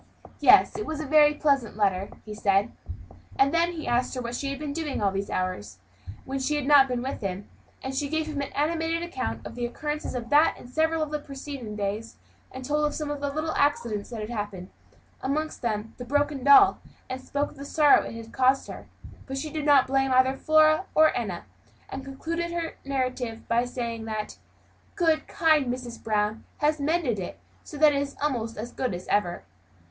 "Yes, it was a very pleasant letter," he said; and then he asked her what she had been doing in those hours when she had not been with him; and she gave him an animated account of the occurrences of that and several of the preceding days, and told of some little accidents that had happened amongst them that of the broken doll; and spoke of the sorrow it had caused her; but she did not blame either Flora or Enna, and concluded her narrative by saying that, "good, kind Mrs. Brown had mended it, so that it was almost as good as ever."